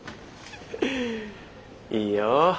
いいよ。